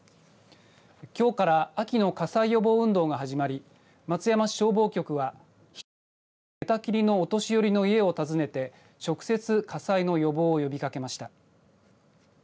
きょうから秋の火災予防運動が始まり松山市消防局は１人暮らしや寝たきりのお年寄りの家を訪ねて直接、火災の予防を呼びかけました。